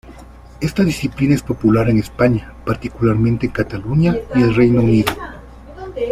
Esta disciplina es popular en España, particularmente en Cataluña, y el Reino Unido.